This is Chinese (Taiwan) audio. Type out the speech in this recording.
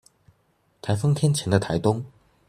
颱風天前的台東